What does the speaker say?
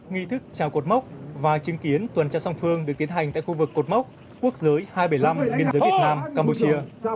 nghi thức trào cột mốc và chứng kiến tuần tra song phương được tiến hành tại khu vực cột mốc quốc giới hai trăm bảy mươi năm biên giới việt nam campuchia